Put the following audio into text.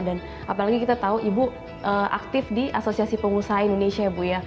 apalagi kita tahu ibu aktif di asosiasi pengusaha indonesia ya bu ya